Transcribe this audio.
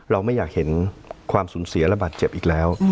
เราไม่อยากเห็นความสูญเสียระบาดเจ็บอีกแล้ว